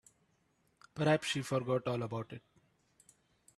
Perhaps she forgot all about it.